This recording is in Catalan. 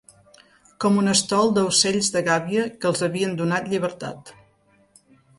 Com un estol d'aucells de gàbia que els havien donat llibertat